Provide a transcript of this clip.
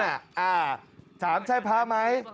อ่าสามชายพระไหม